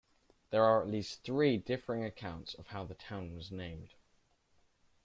There are at least three differing accounts of how the town was named.